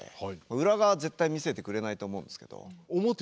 裏側は絶対見せてくれないと思うんですけど。